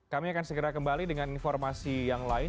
kami akan segera kembali dengan informasi yang lain